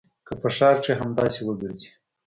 که په ښار کښې همداسې وګرځې.